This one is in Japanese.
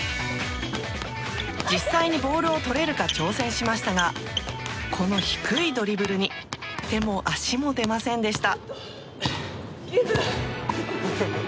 実際にボールをとれるか挑戦しましたがこの低いドリブルに手も足も出ませんでした。